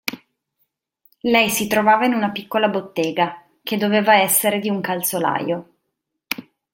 Lei si trovava in una piccola bottega, che doveva essere di un calzolaio.